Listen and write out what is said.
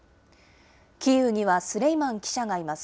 キーウには、スレイマン記者がいます。